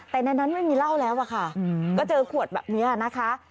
แต่ในนั้นไม่มีเหล้าแล้วอะค่ะก็เจอขวดแบบนี้นะคะ